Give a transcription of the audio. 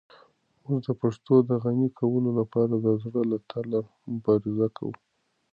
موږ د پښتو د غني کولو لپاره د زړه له تله مبارزه کوو.